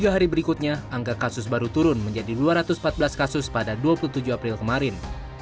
tiga hari berikutnya angka kasus baru turun menjadi dua ratus empat belas kasus pada dua puluh tujuh april kemarin